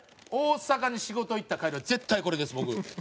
大阪に仕事行った帰りは絶対これです僕。